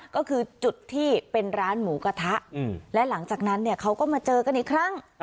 ก็คือจุดที่เป็นร้านหมูกระทะและหลังจากนั้นเนี่ยเขาก็มาเจอกันอีกครั้ง